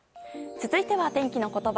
続いては、天気のことば。